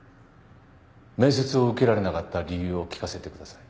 面接を受けられなかった理由を聞かせてください。